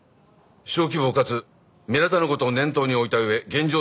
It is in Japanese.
小規模かつ目立たぬ事を念頭に置いた上現状